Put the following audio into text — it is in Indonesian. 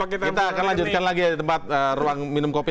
kita akan lanjutkan lagi tempat ruang minum kopi